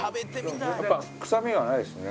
やっぱり臭みがないですね